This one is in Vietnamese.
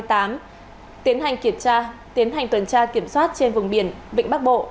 tiến hành kiểm tra tiến hành tuần tra kiểm soát trên vùng biển vịnh bắc bộ